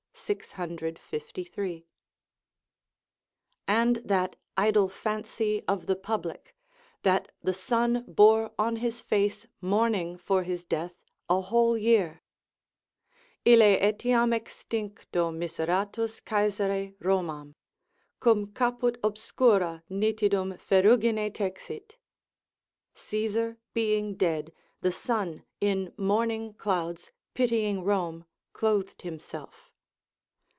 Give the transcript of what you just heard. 653.] and that idle fancy of the public, that the sun bore on his face mourning for his death a whole year: "Ille etiam extincto miseratus Caesare Romam, Cum caput obscura nitidum ferrugine texit:" ["Caesar being dead, the sun in mourning clouds, pitying Rome, clothed himself."